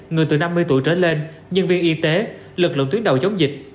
người từ năm mươi tuổi trở lên nhân viên y tế lực lượng tuyến đầu chống dịch